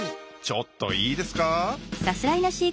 ちょっといいですか？